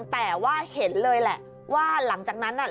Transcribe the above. แต่ว่าเห็นเลยแหละว่าหลังจากนั้นน่ะ